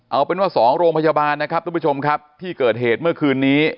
เอาเป็นว่า๒โรงพยาบาลนะครับทุกผู้ชมครับที่เกิดเหตุเมื่อคืนนี้